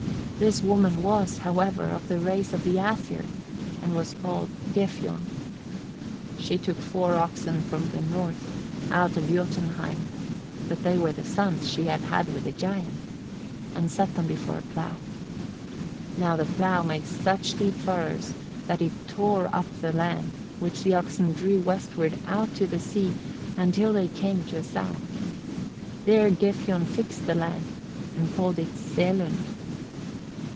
This woman was, however, of the race of the Æsir, and was called Gefjon. She took four oxen from the north, out of Jotunheim (but they were the sons she had had with a giant), and set them before a plough. Now the plough made such deep furrows that it tore up the land, which the oxen drew westward out to sea until they came to a sound. There Gefjon fixed the land, and called it Sælund.